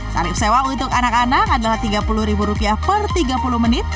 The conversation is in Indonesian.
tarif sewa untuk anak anak adalah rp tiga puluh per tiga puluh menit